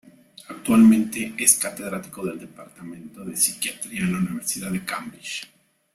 Actualmente, es catedrático del departamento de Psiquiatría en la Universidad de Cambridge.